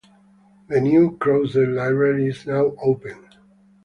The new Crozet Library is now open.